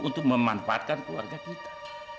untuk memanfaatkan keluarga kita